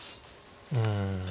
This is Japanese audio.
うん。